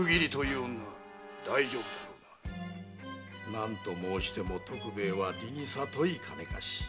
何と申しても徳兵衛は利にさとい金貸し。